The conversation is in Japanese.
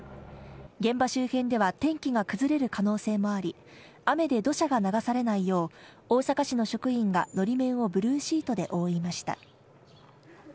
現場周辺では、天気が崩れる可能性もあり、雨で土砂が流されないよう、大阪市の職員がのり面をブルーシートで覆いました。